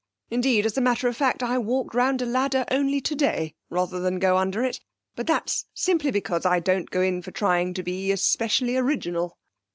Indeed as a matter of fact, I walked round a ladder only today rather than go under it. But that's simply because I don't go in for trying to be especially original.'